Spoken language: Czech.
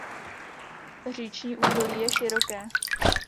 Říční údolí je široké.